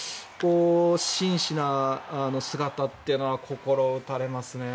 真摯な姿というのは心を打たれますね。